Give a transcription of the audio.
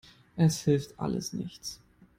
Es hilft alles nichts.